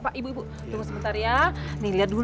la baik allah sharika laqalakul